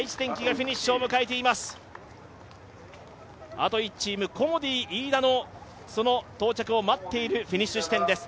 あと１チーム、コモディイイダの到着を待っているフィニッシュ地点です。